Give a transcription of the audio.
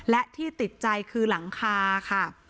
และที่ติดใจคือหลังคาค่ะ